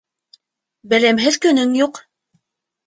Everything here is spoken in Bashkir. Белемһеҙ көнөң юҡ.